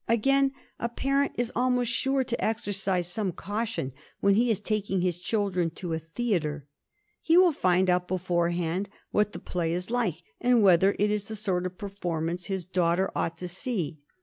Again, a parent is almost sure to exercise some caution when he is taking his children to a theatre. He will find out beforehand what the play is like, and whether it is the sort of performance his daughter ought to see.